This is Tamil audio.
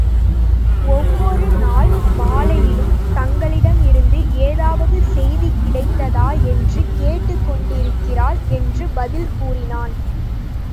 ஒவ்வொரு நாள் மாலையிலும், தங்களிடமிருந்து ஏதாவது செய்தி கிடைத்ததா என்று கேட்டுக் கொண்டேயிருகிறாள் என்று பதில் கூறினான்.